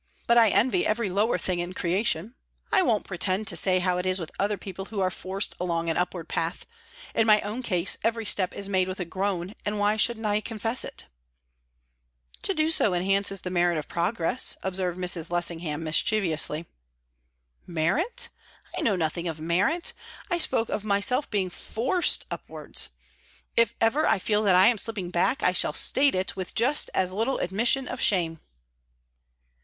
But I envy every lower thing in creation. I won't pretend to say how it is with other people who are forced along an upward path; in my own case every step is made with a groan, and why shouldn't I confess it?" "To do so enhances the merit of progress," observed Mrs. Lessingham, mischievously. "Merit? I know nothing of merit. I spoke of myself being forced upwards. If ever I feel that I am slipping back, I shall state it with just as little admission of shame."